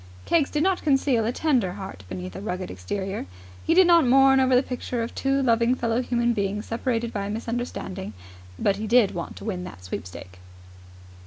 Keggs did not conceal a tender heart beneath a rugged exterior: he did not mourn over the picture of two loving fellow human beings separated by a misunderstanding; but he did want to win that sweepstake.